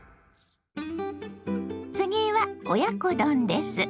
次は親子丼です。